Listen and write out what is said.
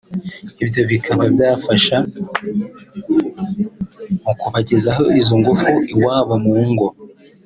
ibyo bikaba byafasha mu kubagezaho izo ngufu iwabo mu ngo